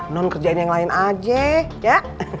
non kerjain yang lain aja ya